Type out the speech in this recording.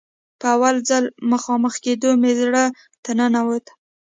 په اول ځل مخامخ کېدو مې زړه ته ننوته.